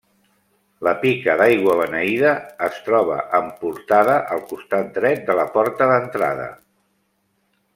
La pica d'aigua beneïda, es troba emportada al costat dret de la porta d'entrada.